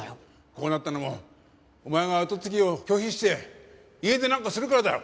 こうなったのもお前が跡継ぎを拒否して家出なんかするからだろ！